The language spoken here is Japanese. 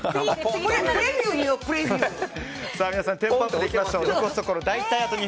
皆さんテンポアップでいきましょう。